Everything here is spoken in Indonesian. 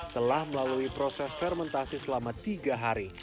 telah melalui proses fermentasi selama tiga hari